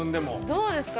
どうですか？